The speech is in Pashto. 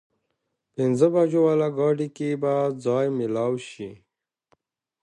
پينځه بجو واله ګاډي کې به ځای مېلاو شي؟